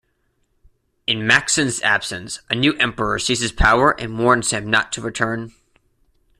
In Macsen's absence, a new emperor seizes power and warns him not to return.